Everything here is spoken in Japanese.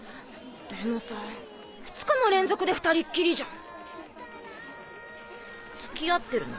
でもさ２日も連続で２人っきりじゃん。付き合ってるの？